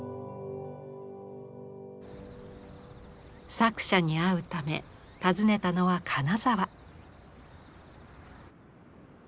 作者に会うため訪ねたのは金沢。